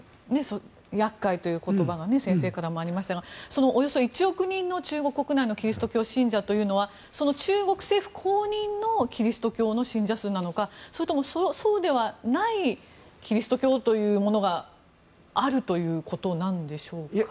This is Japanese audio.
厄介という言葉が先生からもありましたがそのおよそ１億人の中国国内のキリスト教信者というのは中国政府公認のキリスト教の信者数なのかそれとも、そうではないキリスト教というものがあるということなんでしょうか。